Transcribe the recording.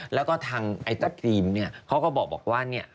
แล้วก็ทางไอตาฟิล์มเนี่ยเขาก็บอกว่าเนี่ย